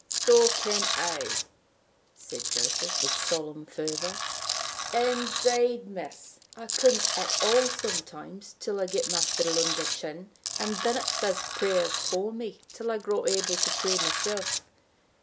"So can I," said Joseph, with solemn fervor. "Indeed, miss, I can't pray at all sometimes till I get my fiddle under my chin, and then it says the prayers for me till I grow able to pray myself.